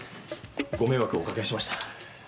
ご迷惑をおかけしました。